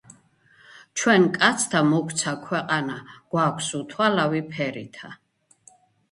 ჩვენ, კაცთა, მოგვცა ქვეყანა, გვაქვს უთვალავი ფერითა.